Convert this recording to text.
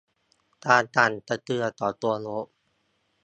การสั่นสะเทือนของตัวโน้ต